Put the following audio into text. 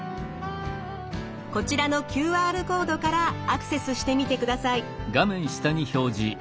こちらのＱＲコードからアクセスしてみてください。